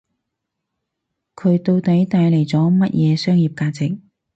佢到底帶嚟咗乜嘢商業價值